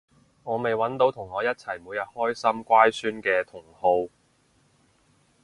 我未搵到同我一齊每日關心乖孫嘅同好